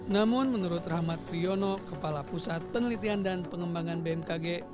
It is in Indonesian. namun menurut rahmat riono kepala pusat penelitian dan pengembangan bmkg